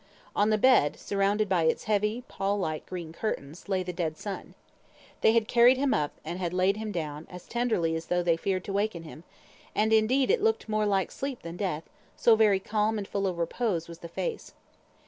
On the bed, surrounded by its heavy, pall like green curtains, lay the dead son. They had carried him up, and laid him down, as tenderly as though they feared to waken him; and, indeed, it looked more like sleep than death, so very calm and full of repose was the face.